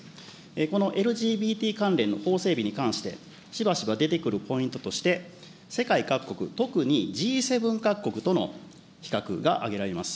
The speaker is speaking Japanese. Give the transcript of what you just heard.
このＬＧＢＴ関連の法整備に関して、しばしば出てくるポイントとして、世界各国特にＧ７各国との比較が挙げられます。